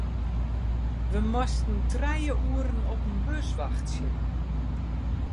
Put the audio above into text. Wy moasten trije oeren op in bus wachtsje.